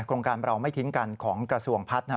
โครงการเราไม่ทิ้งกันของกระทรวงพัฒน์